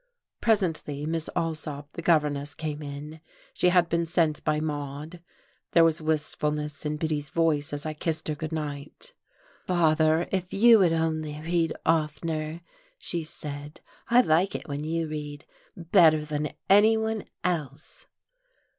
Presently Miss Allsop, the governess, came in. She had been sent by Maude. There was wistfulness in Biddy's voice as I kissed her good night. "Father, if you would only read oftener!" she said, "I like it when you read better than anyone else."....